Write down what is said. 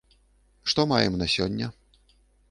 Што маем на сёння?